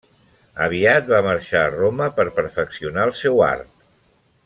Aviat va marxar a Roma per perfeccionar el seu art.